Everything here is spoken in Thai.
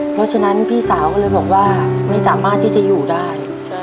เพราะฉะนั้นพี่สาวก็เลยบอกว่าได้อยู่ได้